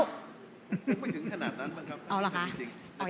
ก็ไม่ถึงขนาดนั้นมันยังไม่จริง